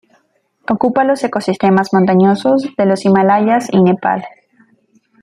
Ocupa los ecosistemas montañosos de los Himalayas y Nepal.